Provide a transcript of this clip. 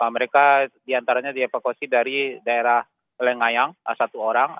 mereka diantaranya dievakuasi dari daerah lengayang satu orang